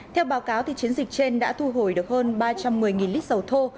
theo báo cáo chiến dịch trên đã thu hồi được hơn ba trăm một mươi lít dầu thô